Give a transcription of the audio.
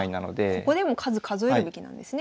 ここでも数数えるべきなんですね。